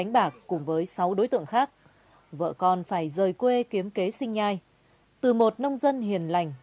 bạc cùng với sáu đối tượng khác vợ con phải rời quê kiếm kế sinh nhai từ một nông dân hiền lành